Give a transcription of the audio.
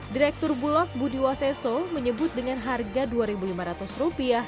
direktur bulog budi waseso menyebut dengan harga rp dua lima ratus